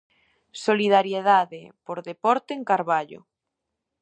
Solidariedade por deporte en Carballo.